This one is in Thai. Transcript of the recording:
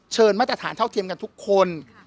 มาตรฐานเท่าเทียมกันทุกคน